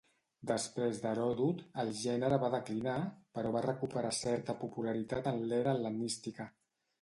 Després d'Heròdot, el gènere va declinar però va recuperar certa popularitat en l'era hel·lenística.